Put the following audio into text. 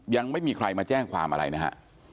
ยังไม่มีใครมาแจ้งความอะไรนะฮะ